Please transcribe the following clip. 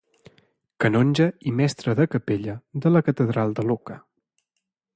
Canonge i mestre de capella de la catedral de Lucca.